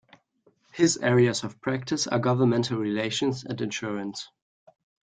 His areas of practice are governmental relations and insurance.